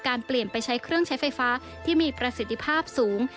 เปลี่ยนไปใช้เครื่องใช้ไฟฟ้าที่มีประสิทธิภาพสูง